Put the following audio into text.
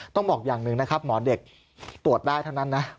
ต้องบอกอย่างหนึ่งนะครับหมอเด็กตรวจได้เท่านั้นนะ